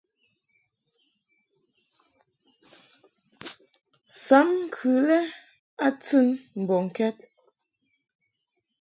Sam ŋkɨ lɛ a tɨn mbɔŋkɛd.